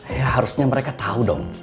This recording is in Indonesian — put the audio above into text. ya harusnya mereka tahu dong